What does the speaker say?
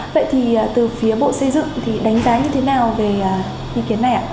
vậy thì từ phía bộ xây dựng thì đánh giá như thế nào về ý kiến này ạ